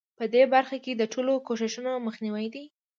په دې برخه کې د ټولو کوښښونو مخنیوی دی.